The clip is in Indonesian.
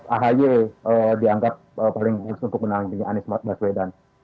ahi dianggap paling tinggi untuk menampingi anies baswedan